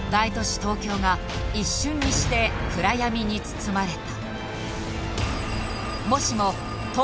東京が一瞬にして暗闇に包まれた